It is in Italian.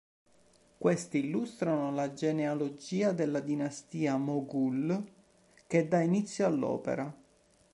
Questi illustrano la genealogia della dinastia moghul che da inizio all'opera.